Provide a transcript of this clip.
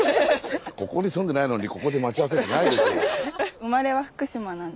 ここに住んでないのにここで待ち合わせってないでしょう。